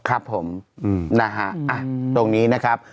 ครับผมตรงนี้นะครับ